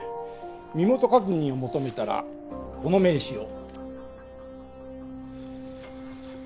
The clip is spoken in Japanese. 身元確認を求めたらこの名刺を。